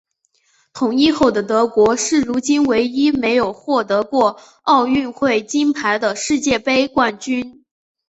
统一后的德国是如今唯一没有获得过奥运会金牌的世界杯冠军。